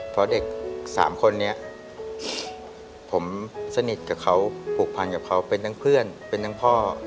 เพราะเด็กสามคนนี้ผมสนิทกับเขาผูกพันกับเขาเป็นทั้งเพื่อนเป็นทั้งพ่อ